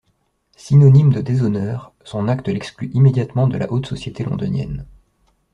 Synonyme de déshonneur, son acte l'exclut immédiatement de la haute société londonienne.